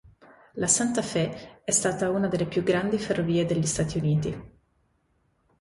La Santa Fe è stata una delle più grandi ferrovie degli Stati Uniti.